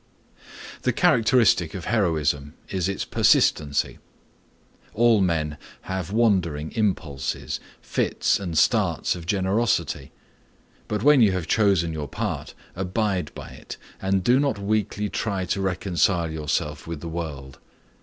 The characteristic of heroism is its persistency. All men have wandering impulses, fits and starts of generosity. But when you have chosen your part, abide by it, and do not weakly try to reconcile yourself with the world.